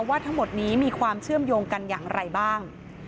ว่าทั้งหมดนี้มีความเชื่อมโยงกันอย่างไรบ้าง